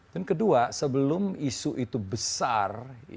dan kedua sebelum isu itu besar